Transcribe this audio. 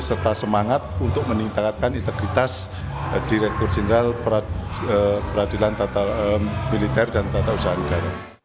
serta semangat untuk meningkatkan integritas direktur jenderal peradilan militer dan tata usaha negara